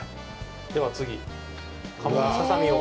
では次、鴨のささみを。